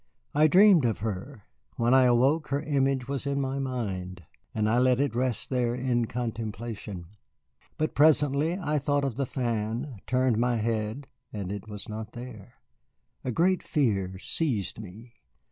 I dreamed of her. When I awoke again her image was in my mind, and I let it rest there in contemplation. But presently I thought of the fan, turned my head, and it was not there. A great fear seized me.